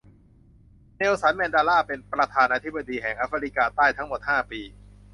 เนลสัน แมนเดลาเป็นประธานาธิบดีแห่งแอฟริกาใต้ทั้งหมดห้าปี